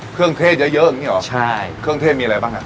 เครื่องเทศเยอะนี่เหรอเครื่องเทศมีอะไรบ้างน่ะ